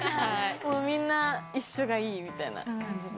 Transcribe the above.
もうみんな一緒がいいみたいな感じで。